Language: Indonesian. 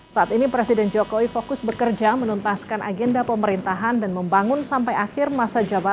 saat ini presiden jokowi fokus bekerja menuntaskan agenda pemerintahan dan membangun sampai akhir masa jabatan